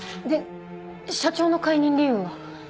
で社長の解任理由は？